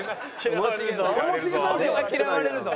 嫌われるぞ。